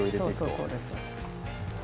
そうですそうです。